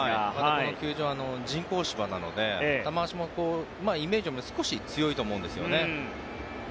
この球場、人工芝なので球足もイメージより少し強いと思うんですね。